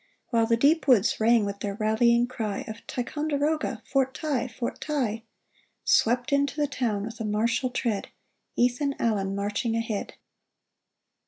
While the deep woods rang with their rallying cry Of " Ticonderoga ! Fort Ti ! FortTi!" Swept into the town with a martial tread, Ethan Allen marching ahead